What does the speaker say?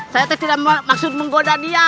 saya tidak maksud menggoda dia